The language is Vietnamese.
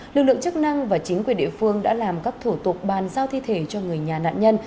lực lượng chức năng và chính quyền địa phương đã làm các thủ tục bàn giao thi thể cho người nhà nạn nhân